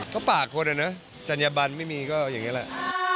ก็ปากคนอะนะจัญญบันไม่มีก็อย่างนี้แหละ